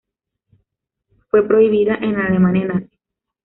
Fue prohibida en la Alemania nazi.